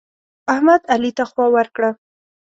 احمد؛ علي ته خوا ورکړه.